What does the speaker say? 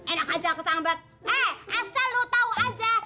eh asal lu tau aja